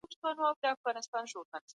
سياست پوهه غواړي او پوهه مطالعه غواړي.